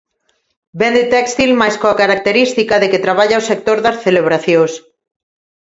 Vende téxtil mais coa característica de que traballa o sector das celebracións.